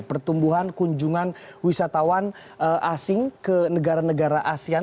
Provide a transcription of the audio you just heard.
pertumbuhan kunjungan wisatawan asing ke negara negara asean